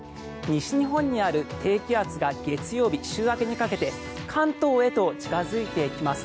西日本にある低気圧が月曜日、週明けにかけて関東へと近付いてきます。